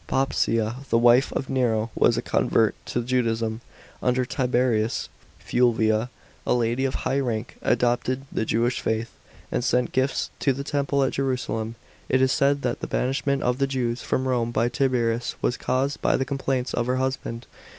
Poppsea, the wife of Nero, was a convert to Judaism. Under Tiberius, Fulvia, a lady of high rank, adopted the Jewish faith, and sent gifts to the temple at Jerusalem. It is said that the banishment of the Ji ws from Rome by Tiberius was caused by the complaints of her husband.